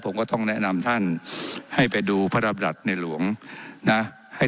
ผมก็ต้องแนะนำท่านให้ไปดูพระราบรราชนายหลวงนะให้